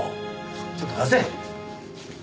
ちょっと貸せ！